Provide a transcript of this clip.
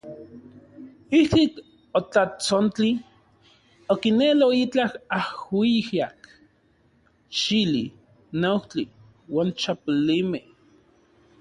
Ijtik otatsontli, okinelo itlaj ajuijyak, chili, neujtli uan chapolimej.